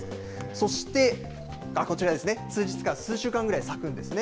そしてこちらですね、数日から数週間ぐらい咲くんですね。